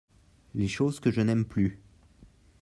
Les choses que je n'aime plus.